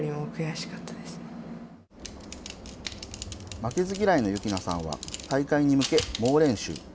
負けず嫌いの喜なさんは、大会に向け猛練習。